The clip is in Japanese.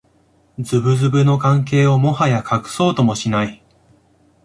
ズブズブの関係をもはや隠そうともしない